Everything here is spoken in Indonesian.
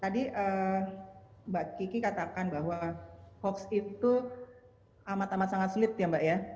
tadi mbak kiki katakan bahwa hoax itu amat amat sangat sulit ya mbak ya